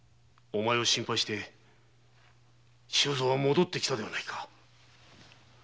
お前を心配して周蔵は戻ってきたではないか。